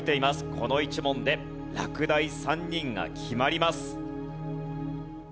この１問で落第３人が決まります。